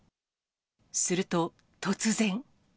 すると、突然。